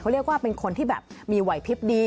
เรียกว่าเป็นคนที่แบบมีไหวพลิบดี